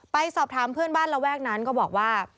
ไปสอบถามเพื่อนบ้านระแวกนั้นก็บอกว่า